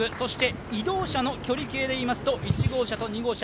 移動者の距離計でいいますと、１号車と２号車、